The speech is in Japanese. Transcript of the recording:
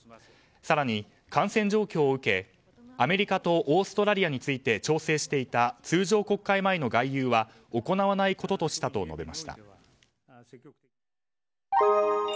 更に感染状況を受け、アメリカとオーストラリアについて調整していた通常国会前の外遊は行わないこととしたと述べました。